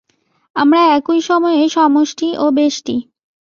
আমরা একই সময়ে সমষ্টি ও ব্যষ্টি।